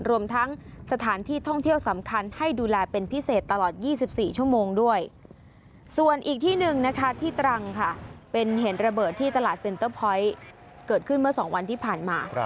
รวมทั้งสถานที่ท่องเที่ยวสำคัญให้ดูแลเป็นพิเศษตลอด๒๔ชั่วโมงด้วย